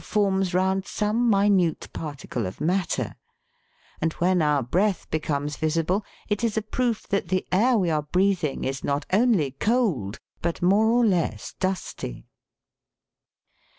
19 forms round some minute particle of matter, and when our breath becomes visible, it is a proof that the air we are breathing is not only cold, but more or less dusty.